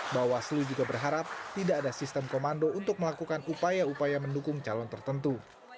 bawaslu juga berharap tidak ada sistem komando untuk melakukan upaya upaya mendukung calon tertentu